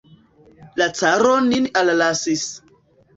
La caro nin allasis.